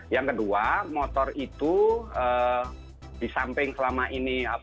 yang kedua motor itu disamping selama ini